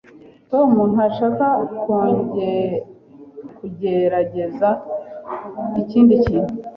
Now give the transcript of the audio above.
Tom ntashaka kugerageza ikindi kintu.